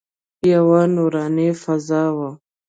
یوه نوراني فضا وه.